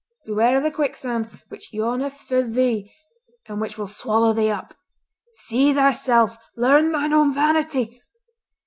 Beware the quicksand, which yawneth for thee, and which will swallow thee up! See thyself! Learn thine own vanity!